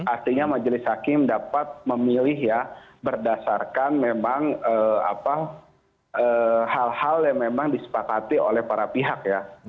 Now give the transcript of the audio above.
artinya majelis hakim dapat memilih ya berdasarkan memang hal hal yang memang disepakati oleh para pihak ya